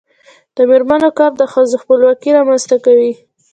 د میرمنو کار د ښځو خپلواکي رامنځته کوي.